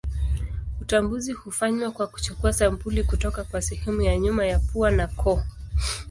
Utambuzi hufanywa kwa kuchukua sampuli kutoka kwa sehemu ya nyuma ya pua na koo.